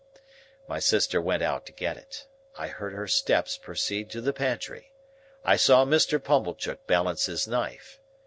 My sister went out to get it. I heard her steps proceed to the pantry. I saw Mr. Pumblechook balance his knife.